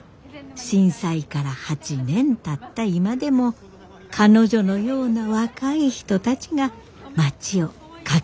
震災から８年たった今でも彼女のような若い人たちが町を活気づけてくれています。